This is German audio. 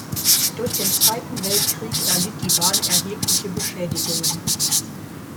Durch den Zweiten Weltkrieg erlitt die Bahn erhebliche Beschädigungen.